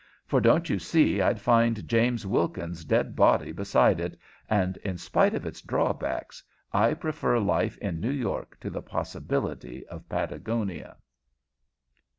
"For don't you see I'd find James Wilkins's dead body beside it, and, in spite of its drawbacks, I prefer life in New York to the possibility of Patagonia."